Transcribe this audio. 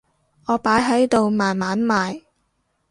我擺喺度慢慢賣